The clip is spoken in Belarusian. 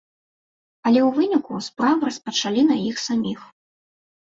Але ў выніку справу распачалі на іх саміх.